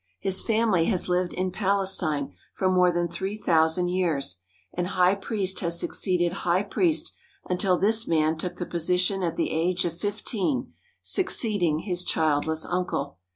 His family has lived in Palestine for more than three thousand years, and high priest has succeeded high priest until this man took the position at the age of fifteen, succeed ing his childless uncle.